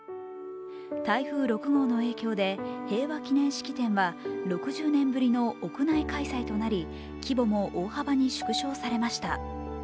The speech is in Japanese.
台風６号の影響で平和祈念式典は６０年ぶりの屋内開催となり規模も大幅に縮小されました。